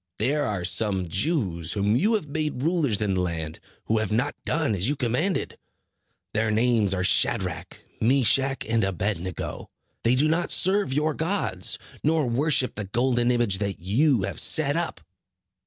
There are some Jews, whom you have made rulers in the land, who have not done as you commanded. Their names are Shadrach, Meshach and Abed nego. They do not serve your gods, nor worship the golden image that you have set up."